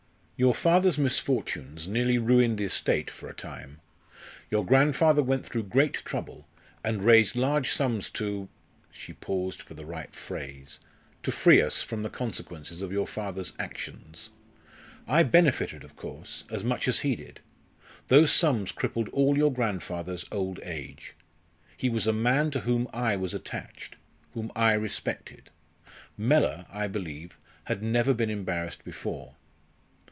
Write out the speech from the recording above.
Your father's misfortunes nearly ruined the estate for a time. Your grandfather went through great trouble, and raised large sums to " she paused for the right phrase "to free us from the consequences of your father's actions. I benefited, of course, as much as he did. Those sums crippled all your grandfather's old age. He was a man to whom I was attached whom I respected. Mellor, I believe, had never been embarrassed before.